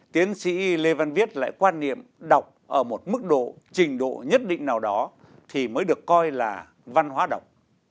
tiến sĩ lê văn viết lại quan niệm đọc ở một mức độ trình độ nhất định nào đó thì mới được coi là văn hóa đọc